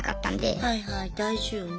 はいはい大事よね。